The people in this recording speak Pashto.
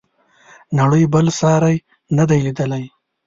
نړۍ بل ساری نه دی لیدلی.